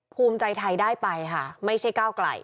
ภูมิใจไทยได้ไปค่ะไม่ใช่ก้าวไกล